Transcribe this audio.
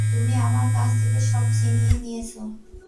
তুমি আমার কাছ থেকে সব ছিনিয়ে নিয়েছ।